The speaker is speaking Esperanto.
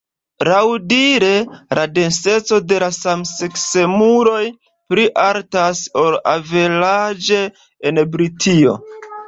Laŭdire la denseco de samseksemuloj pli altas ol averaĝe en Britio.